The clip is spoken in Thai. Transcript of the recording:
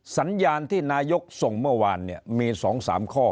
สัญญาณที่นายกรัฐมนตรีส่งเมื่อวานมีสองสามข้อ